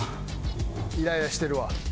イライラしてるわ。